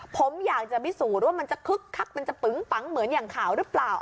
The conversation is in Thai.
ผมอยากจะพิสูจน์ว่ามันจะคึกคักมันจะปึงปังเหมือนอย่างข่าวหรือเปล่า